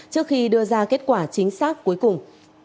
trước khi đưa ra kết quả chính xác cuối cùng